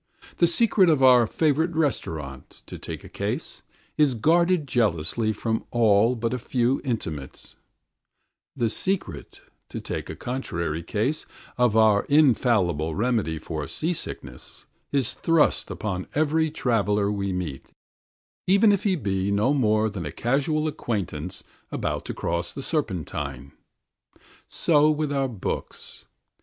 The secret of our favourite restaurant, to take a case, is guarded jealously from all but a few intimates; the secret, to take a contrary case, of our infallible remedy for seasickness is thrust upon every traveller we meet, even if he be no more than a casual acquaintance about to cross the Serpentine. So with our books.